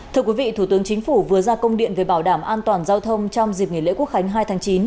thưa quý vị thủ tướng chính phủ vừa ra công điện về bảo đảm an toàn giao thông trong dịp nghỉ lễ quốc khánh hai tháng chín